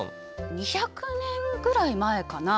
２００年ぐらい前かな。